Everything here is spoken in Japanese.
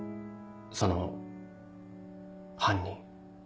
その犯人。